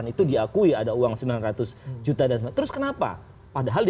itu tadi soal